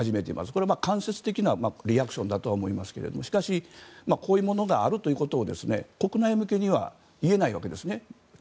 これは間接的なリアクションだとは思いますがしかし、こういうものがあることを国内向けには言えないわけです。